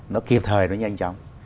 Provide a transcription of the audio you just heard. nó kịp thời nó nhanh chóng